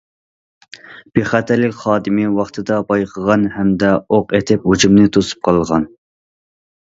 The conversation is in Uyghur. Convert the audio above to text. بىخەتەرلىك خادىمى ۋاقتىدا بايقىغان ھەمدە ئوق ئېتىپ ھۇجۇمنى توسۇپ قالغان.